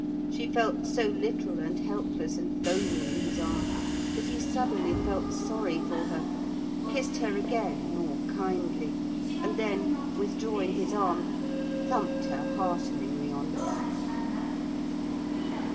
She felt so little and helpless and bony in his arm that he suddenly felt sorry for her, kissed her again more kindly and then, withdrawing his arm, thumped her hearteningly on the back.